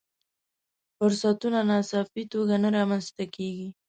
فرصتونه ناڅاپي توګه نه رامنځته کېږي.